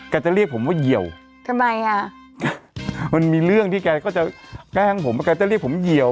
แกจะเรียกผมว่าเยี่ยว